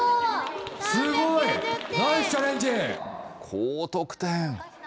高得点。